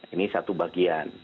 ini satu bagian